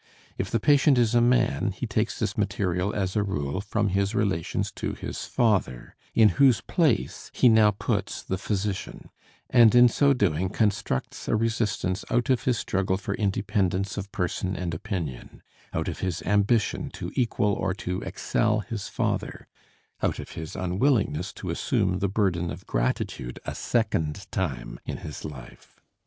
If the patient is a man, he takes this material as a rule from his relations to his father, in whose place he now puts the physician, and in so doing constructs a resistance out of his struggle for independence of person and opinion; out of his ambition to equal or to excel his father; out of his unwillingness to assume the burden of gratitude a second time in his life.